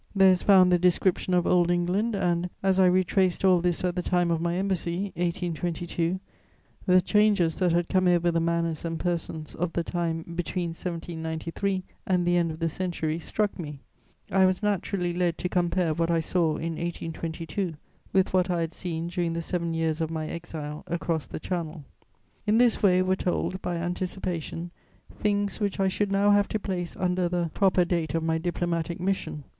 There is found the description of old England, and, as I retraced all this at the time of my embassy (1822), the changes that had come over the manners and persons of the time between 1793 and the end of the century struck me: I was naturally led to compare what I saw in 1822 with what I had seen during the seven years of my exile across the Channel. In this way were told, by anticipation, things which I should now have to place under the proper date of my diplomatic mission.